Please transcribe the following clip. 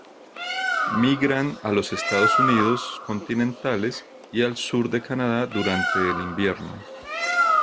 Migran a los Estados Unidos continentales y al sur de Canadá durante el invierno.